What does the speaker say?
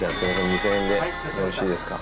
２，０００円でよろしいですか？